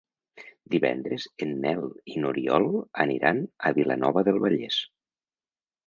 Divendres en Nel i n'Oriol aniran a Vilanova del Vallès.